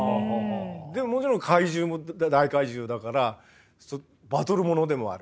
でもちろんかいじゅうも大海獣だからバトルものでもある。